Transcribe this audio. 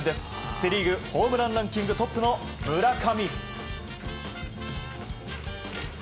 セ・リーグホームランランキングトップの村上。